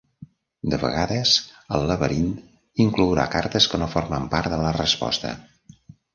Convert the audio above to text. De vegades, el laberint inclourà cartes que no formen part de la resposta.